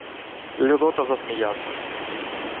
Людота засміявся: